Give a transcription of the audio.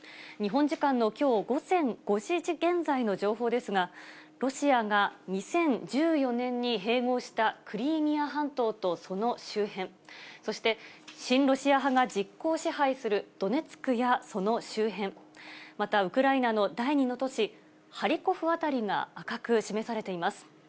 日本時間のきょう午前５時現在の情報ですが、ロシアが２０１４年に併合したクリミア半島とその周辺、そして親ロシア派が実効支配するドネツクやその周辺、またウクライナの第２の都市、ハリコフ辺りが赤く示されています。